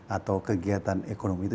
atau kegiatan ekonomi itu